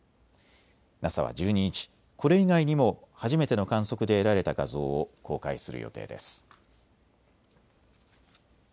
ＮＡＳＡは１２日、これ以外にも初めての観測で得られた画像を公開する予定です。